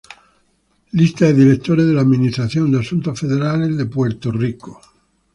Lista de Directores de la Administración de Asuntos Federales de Puerto Rico